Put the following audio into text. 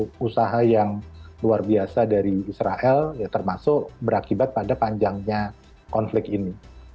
jadi kita harus berusaha yang luar biasa dari israel termasuk berakibat pada panjangnya konflik ini